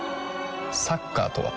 サッカーとは？